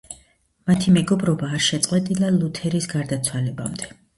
მათი მეგობრობა არ შეწყვეტილა ლუთერის გარდაცვალებამდე.